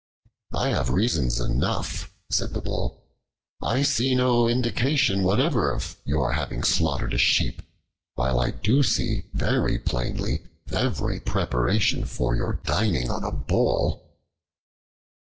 "I have reasons enough," said the Bull. "I see no indication whatever of your having slaughtered a sheep, while I do see very plainly every preparation for your dining on a bull."